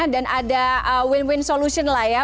dan ada win win solution lah ya